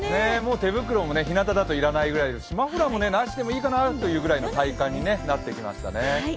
手袋も日なただと要らないくらいですしマフラーもなしでもいいかなぐらいの体感になってきましたね。